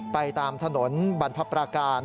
ไปตามถนนบรรพปราการ